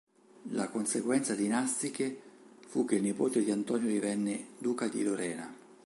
La conseguenza dinastiche fu che il nipote di Antonio divenne Duca di Lorena.